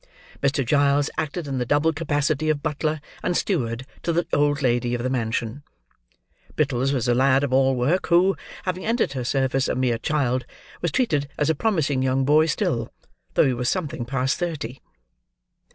Mr. Giles acted in the double capacity of butler and steward to the old lady of the mansion; Brittles was a lad of all work: who, having entered her service a mere child, was treated as a promising young boy still, though he was something past thirty.